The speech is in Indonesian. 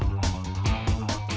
tidak ada yang bisa dikunci